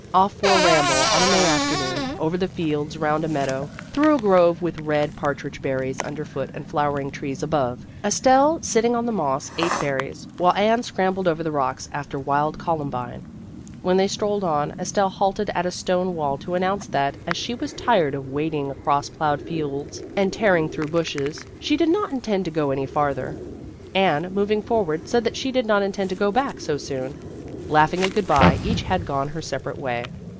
Off for a ramble on a May afternoon, over the fields, around a meadow, through a grove with red par tridge berries underfoot and flowering trees above. Estelle, sitting on the moss, ate berries, while Anne scrambled over the rocks after wild columbine. When they strolled on, Estelle halted at a stone wall to announce that, as she was tired of wading across plowed fields and tearing through bushes, she did not intend to go any farther. Anne, moving forward, said that she did not intend to go back so soon. Laughing a good bye, each had gone her separate way.